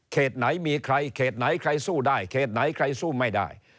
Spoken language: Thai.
ไหนมีใครเขตไหนใครสู้ได้เขตไหนใครสู้ไม่ได้